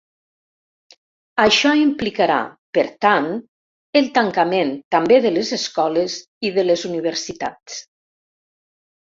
Això implicarà, per tant, el tancament també de les escoles i de les universitats.